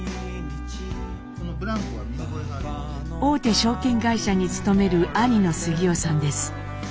大手証券会社に勤める兄の杉男さんです。